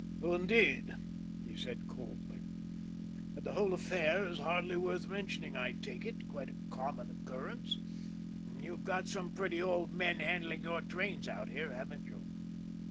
"Oh, indeed!" he said coldly. "And the whole affair is hardly worth mentioning, I take it quite a common occurrence. You've got some pretty old men handling your trains out here, haven't you?"